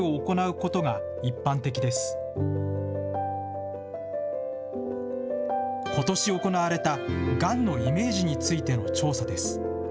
ことし行われたがんのイメージについての調査です。